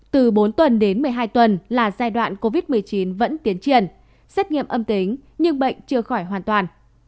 từ bốn tuần đến một mươi hai tuần là giai đoạn covid một mươi chín vẫn tiến triển xét nghiệm âm tính nhưng bệnh chưa khỏi hoàn toàn